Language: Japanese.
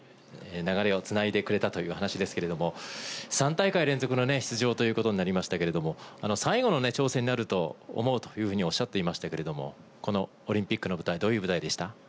流れをつないでくれたという話ですけれども、３大会連続の出場ということになりましたけれども、最後の挑戦になると思うというふうにおっしゃっていましたけれども、このオリンピックの舞台、どういう舞台でした？